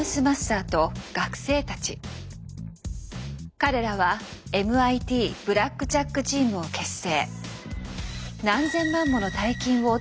彼らはＭＩＴブラックジャック・チームを結成。